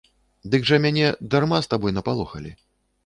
Дык жа мяне дарма з табой напалохалі.